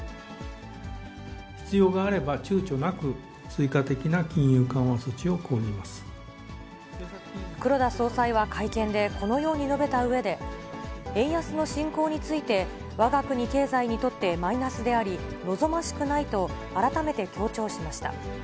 必要があれば、ちゅうちょなく、黒田総裁は会見でこのように述べたうえで、円安の進行について、わが国経済にとってマイナスであり、望ましくないと、改めて強調しました。